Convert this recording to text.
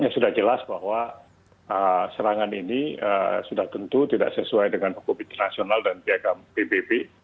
sudah jelas bahwa serangan ini sudah tentu tidak sesuai dengan hukum internasional dan piagam pbb